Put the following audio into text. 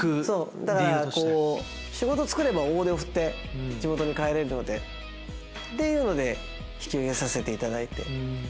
そうだからこう仕事つくれば大手を振って地元に帰れるのでっていうので引き受けさせていただいて。